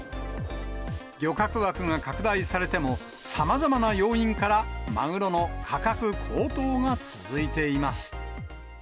漁獲枠が拡大されても、さまざまな要因からマグロの価格高騰が続いています。